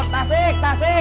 tasik tasik tasik